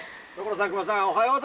おはよう。